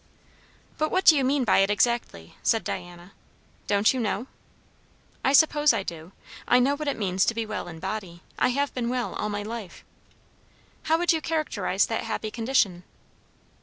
"But what do you mean by it exactly?" said Diana. "Don't you know?" "I suppose I do. I know what it means to be well in body. I have been well all my life." "How would you characterize that happy condition?"